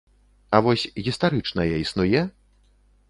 А вось гістарычная існуе?